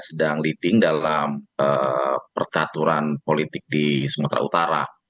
sedang leading dalam percaturan politik di sumatera utara